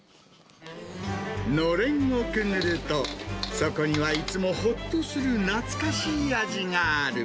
のれんをくぐると、そこにはいつもほっとする懐かしい味がある。